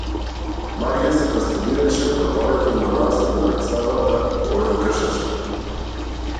Марија се фасцинираше од балетот на мраз на претставата Оревокршачка.